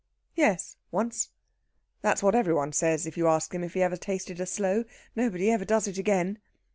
"Yes, once." "That is what every one says if you ask him if he ever tasted a sloe. Nobody ever does it again."